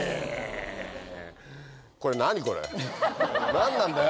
何なんだよ？